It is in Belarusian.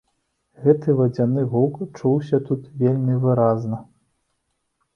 Гэты вадзяны гук чуўся тут вельмі выразна.